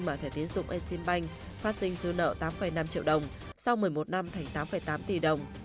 mở thẻ tiến dụng exim bank phát sinh dư nợ tám năm triệu đồng sau một mươi một năm thành tám tám tỷ đồng